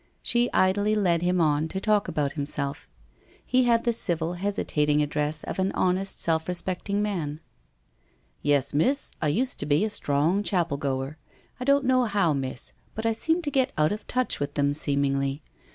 She idly led him on to talk about himself. He had the civil hesitating address of an honest, self respecting man. ' Yes, Miss, I used to be a strong chapel goer. I don't know how, Miss, but I seemed to get out of touch with them, seemingly.